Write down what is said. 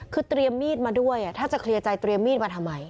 คือเตรียมมีดมาด้วยถ้าจะเคลียร์ใจเตรียมมีดมาทำไม